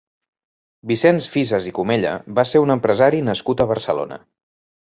Vicenç Fisas i Comella va ser un empresari nascut a Barcelona.